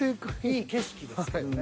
いい景色ですけどね。